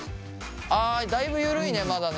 ああだいぶ緩いねまだね。